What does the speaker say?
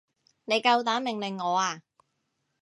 你夠膽命令我啊？